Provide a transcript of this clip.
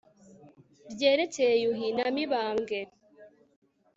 ryerekeye yuhi na mibambwe